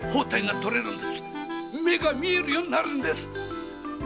目が見えるようになるんです。